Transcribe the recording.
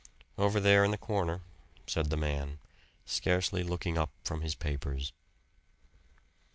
"Over there in the corner," said the man, scarcely looking up from his papers.